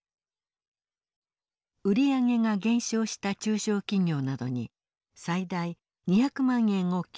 売り上げが減少した中小企業などに最大２００万円を給付。